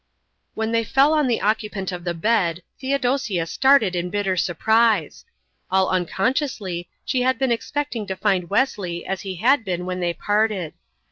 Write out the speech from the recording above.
When they fell on the occupant of the bed Theodosia started in bitter surprise. All unconsciously she had been expecting to find Wesley as he had been when they parted.